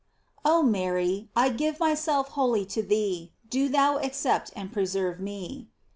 Oh Mary, I give myself wholly to thee, do thou accept and preserve me.